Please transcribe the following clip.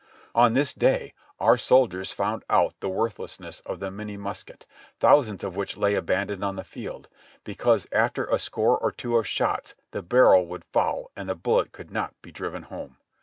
On this day our soldiers found out the worthlessness of the Minie musket, thousands of which lay abandoned on the field, because after a score or two of shots the barrel would foul and the bullet could not be driven home.